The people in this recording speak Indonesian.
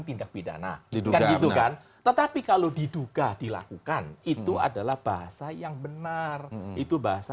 tindak pidana kan gitu kan tetapi kalau diduga dilakukan itu adalah bahasa yang benar itu bahasa